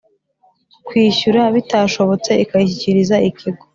kwishyura bitashobotse ikayishyikiriza Ikigo